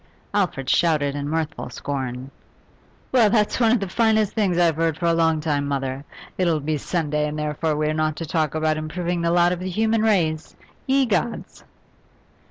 4 Alfred shouted in mirthful scorn. 'Well, that's one of the finest things I've heard for a long time, mother! It'll be Sunday, and therefore we are not to talk about improving the lot of the human race. Ye gods!